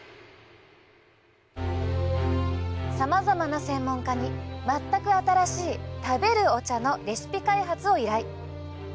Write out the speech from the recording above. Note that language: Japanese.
さまざまな専門家に、全く新しい食べるお茶のレシピ開発を依頼。